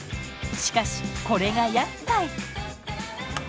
しかしこれがやっかい。